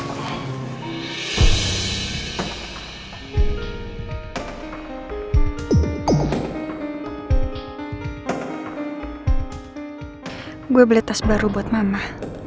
gue beli tas baru buat mama